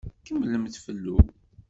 Kemmlemt fellu.